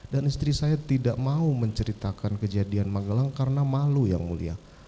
dan istri saya tidak mau menceritakan kejadian magelang karena malu yang mulia